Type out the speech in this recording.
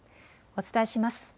お伝えします。